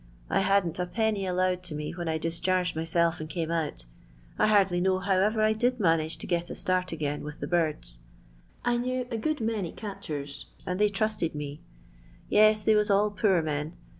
I hadn't a penny allowed to ■• when I discharged myself and came out I haidlj know how ever I did manage to get a start a^ia with the birds. I knew a good many eatehen, and they trusted me. Yes, they was all posr men.